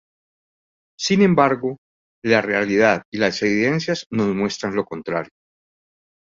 Sin embargo, la realidad y las evidencias nos demuestran lo contrario.